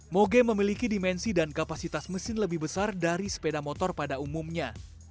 moge memiliki dimensi dan kapasitas mesin lebih besar dari sepeda motor pada umumnya